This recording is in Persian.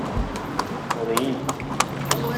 رید